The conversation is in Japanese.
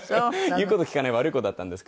言う事を聞かない悪い子だったんですけど。